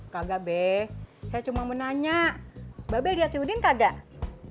kagak be saya cuma mau nanya bebe lihat si udin kagak